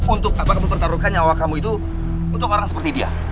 untuk apa kamu pertaruhkan nyawa kamu itu untuk orang seperti dia